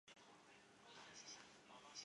竹山淫羊藿为小檗科淫羊藿属下的一个种。